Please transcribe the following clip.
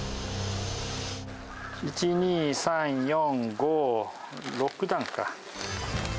１、２、３、４、５、６段か。